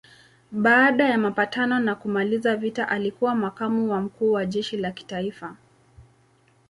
Baada ya mapatano ya kumaliza vita alikuwa makamu wa mkuu wa jeshi la kitaifa.